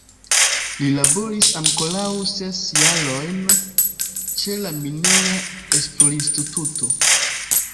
Li laboris ankoraŭ ses jarojn ĉe la Mineja Esplorinstituto.